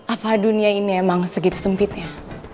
apa dunia ini emang segitu sempit ya